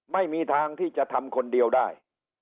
ไม่มีทางที่จะทำคนเดียวได้